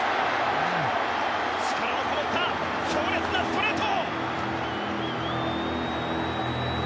力のこもった強烈なストレート。